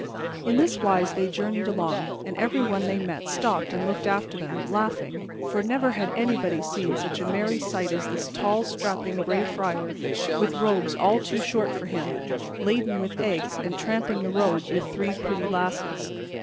In this wise they journeyed along, and everyone they met stopped and looked after them, laughing, for never had anybody seen such a merry sight as this tall, strapping Gray Friar, with robes all too short for him, laden with eggs, and tramping the road with three pretty lasses.